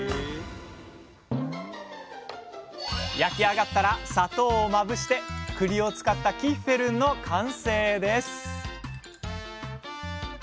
焼き上がったら砂糖をまぶしてくりを使った「キッフェルン」の完成です